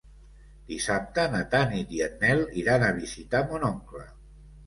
Dissabte na Tanit i en Nel iran a visitar mon oncle.